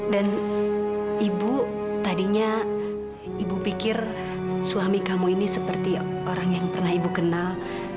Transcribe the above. dan ibu tadinya ibu pikir suami kamu ini seperti orang yang pernah ibu kenal